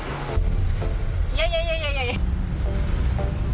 いやいやいやいやいや。